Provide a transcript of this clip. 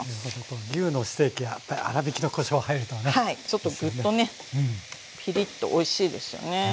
ちょっとグッとねピリッとおいしいですよね。